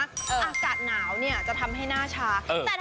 อากาศหนาวเนี่ยจะทำให้หน้าชา